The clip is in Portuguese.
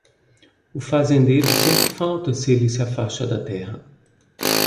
O fazendeiro sente falta se ele se afasta da terra.